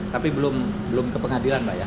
tapi belum ke pengadilan pak ya